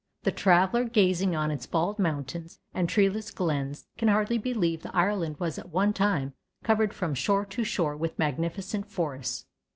The traveler gazing on its bald mountains and treeless glens can hardly believe that Ireland was at one time covered from shore to shore with magnificent forests.